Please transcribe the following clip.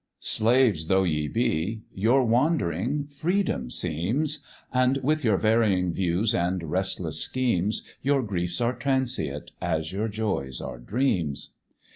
Slaves though ye be, your wandering freedom seems, And with your varying views and restless schemes, Your griefs are transient, as your joys are dreams.